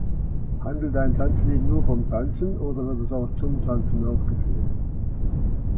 Handelt ein Tanzlied nur vom Tanzen oder wird es auch zum Tanzen aufgeführt?